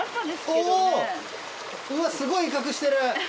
おうわっすごい威嚇してる！